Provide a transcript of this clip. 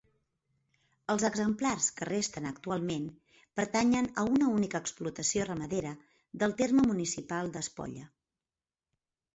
Els exemplars que resten actualment pertanyen a una única explotació ramadera del terme municipal d'Espolla.